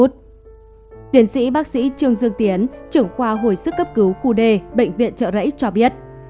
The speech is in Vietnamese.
tiến sĩ bác sĩ trương dương tiến trưởng khoa hồi sức cấp cứu khu d bệnh viện trợ rẫy cho biết